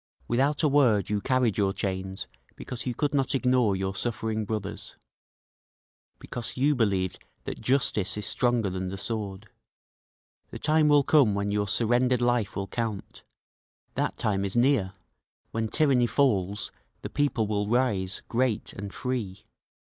Without a word you carried your chains because you could not ignore your suffering brothers, Because you believed that justice is stronger than the sword…. The time will come when your surrendered life will count That time is near; when tyranny falls the people will rise, great and free!